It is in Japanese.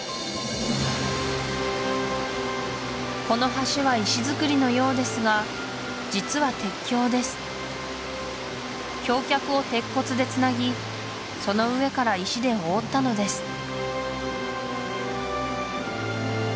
この橋は石造りのようですが実は鉄橋です橋脚を鉄骨でつなぎその上から石で覆ったのです